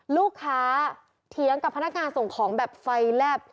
ลูกค้าเถียงกับพนักงานส่งของแบบไฟแลบ